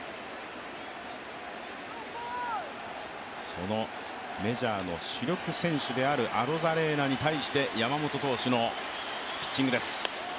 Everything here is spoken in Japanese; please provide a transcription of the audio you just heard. そのメジャーの主力選手であるアロザレーナに対して、山本投手のピッチングです。